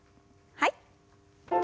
はい。